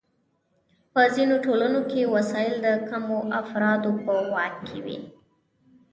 په ځینو ټولنو کې وسایل د کمو افرادو په واک کې وي.